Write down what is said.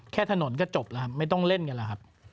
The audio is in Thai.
ถนนก็จบแล้วไม่ต้องเล่นกันแล้วครับ